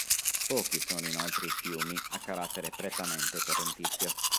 Pochi sono inoltre i fiumi, a carattere prettamente torrentizio.